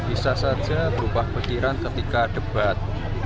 bisa saja berubah pikiran ketika debat